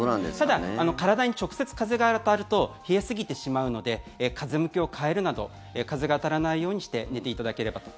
ただ体に直接風が当たると冷えすぎてしまうので風向きを変えるなど風が当たらないようにして寝ていただければと。